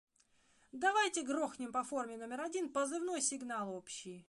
Давайте грохнем по форме номер один позывной сигнал общий.